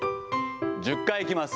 １０回いきます。